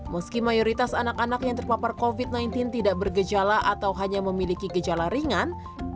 meski mayoritas anak anak yang terpapar covid sembilan belas tidak bergejala atau hanya memiliki gejala ringan